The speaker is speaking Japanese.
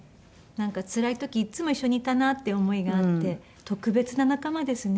つらい時いつも一緒にいたなっていう思いがあって特別な仲間ですね。